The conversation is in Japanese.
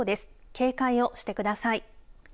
警戒をしてください。